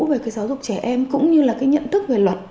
về cái giáo dục trẻ em cũng như là cái nhận thức về luật